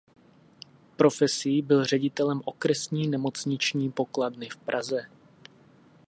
Profesí byl ředitelem okresní nemocniční pokladny v Praze.